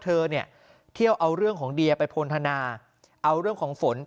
เธอเนี่ยเที่ยวเอาเรื่องของเดียไปพลทนาเอาเรื่องของฝน